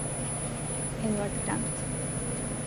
Edward Grant